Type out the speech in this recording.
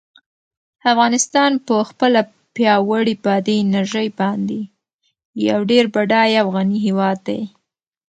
افغانستان په خپله پیاوړې بادي انرژي باندې یو ډېر بډای او غني هېواد دی.